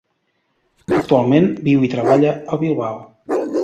Actualment, viu i treballa a Bilbao.